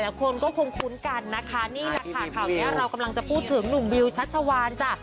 หลายคนก็คงคุ้นกันนะค่ะนี่ค่ะข้าวนี้เรากำลังจะพูดถึงหนูวิวชัชชาวาณจ้า